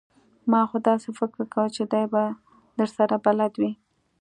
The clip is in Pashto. ما خو داسې فکر کاوه چې دی به درسره بلد وي!